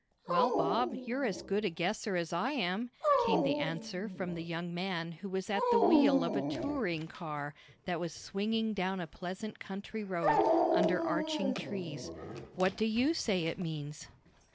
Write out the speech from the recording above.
"Well, Bob, you're as good a guesser as I am," came the answer from the young man who was at the wheel of a touring car that was swinging down a pleasant country road, under arching trees. "What do you say it means?"